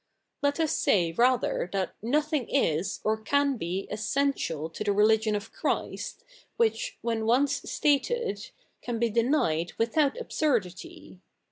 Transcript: Let us say rather that fiothing is or can be essential to the religioft of Christ which, wheri once stated, can be denied without absurdity.